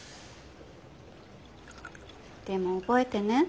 でも覚えてね。